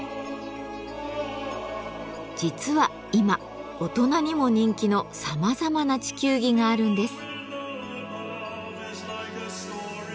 実は今大人にも人気のさまざまな地球儀があるんです。